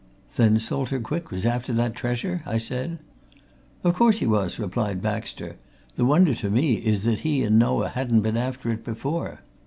"Then Salter Quick was after that treasure?" I said. "Of course he was!" replied Baxter. "The wonder to me is that he and Noah hadn't been after it before.